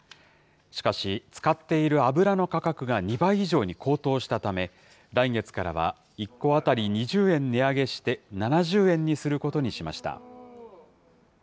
しかし、使っている油の価格が２倍以上に高騰したため、来月からは１個当たり２０円値上げして、７０円にすることにしました。